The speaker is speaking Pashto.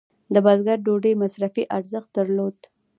د بزګر ډوډۍ مصرفي ارزښت درلود.